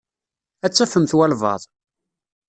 Ad tafemt walebɛaḍ.